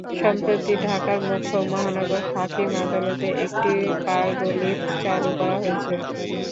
সম্প্রতি ঢাকার মুখ্য মহানগর হাকিম আদালতে একটি কার্গো লিফট চালু করা হয়েছে।